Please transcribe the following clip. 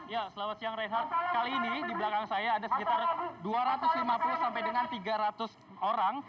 ya selamat siang rehat kali ini di belakang saya ada sekitar dua ratus lima puluh sampai dengan tiga ratus orang